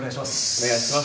お願いします。